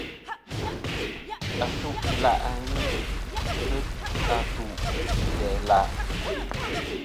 Atu-ila' ghɨ kɨ a tu isæa-la'.